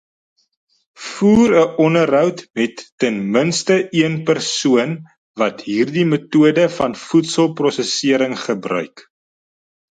Voer 'n onderhoud met ten minste een persoon wat hierdie metode van voedselprosessering gebruik.